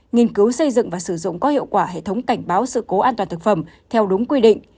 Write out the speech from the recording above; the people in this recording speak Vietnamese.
nghiên cứu xây dựng và sử dụng có hiệu quả hệ thống cảnh báo sự cố an toàn thực phẩm theo đúng quy định